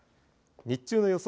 日中の予想